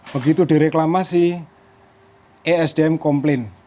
begitu direklamasi esdm komplain